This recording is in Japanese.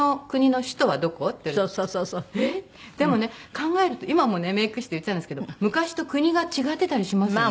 でもね考えると今もねメイク室で言ってたんですけど昔と国が違ってたりしますよね？